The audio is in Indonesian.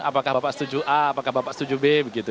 apakah bapak setuju a apakah bapak setuju b begitu